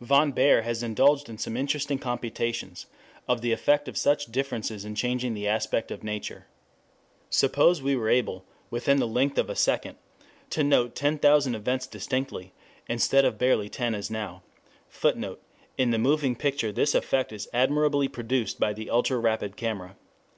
Von Baer has indulged in some interesting computations of the effect of such differences in changing the aspect of Nature. Suppose we were able, within the length of a second, to note 10,000 events distinctly, instead of barely 10 as now; [Footnote: In the moving picture this effect is admirably produced by the ultra rapid camera.